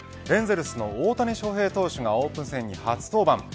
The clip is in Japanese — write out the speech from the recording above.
エンゼルスの大谷翔平投手がオープン戦に初登板。